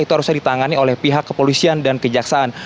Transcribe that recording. itu harusnya ditangani oleh pihak kepolisian dan kejaksaan